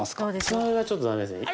一番上はちょっとダメですね